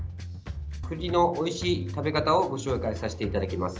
栗のおいしい食べ方をご紹介させていただきます。